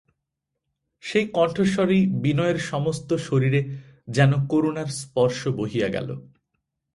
সেই কণ্ঠস্বরেই বিনয়ের সমস্ত শরীরে যেন করুণার স্পর্শ বহিয়া গেল।